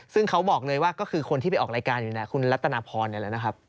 ซึ่งเขาบอกเลยว่าก็คือคนที่ไปออกรายการอยู่นะคุณรัตนาพรนี่แหละนะครับ